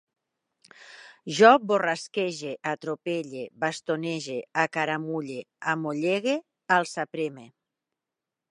Jo borrasquege, atropelle, bastonege, acaramulle, amollegue, alçapreme